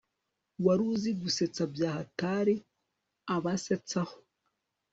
waruzi gusetsa byahatr abasetsaho